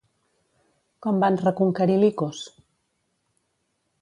Com van reconquerir Licos?